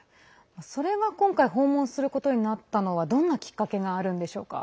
それが今回訪問することになったのはどんなきっかけがあるのでしょうか？